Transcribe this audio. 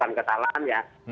tanpa kesalahan ya